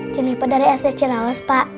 jennifer dari sd cirawas pak